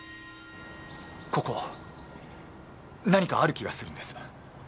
ここ何かある気がするんです。